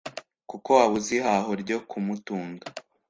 Kuko wabuze ihaho ryo kumutunga